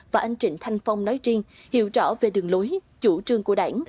và anh trịnh thanh phong nói riêng hiểu rõ về đường lối chủ trương của đảng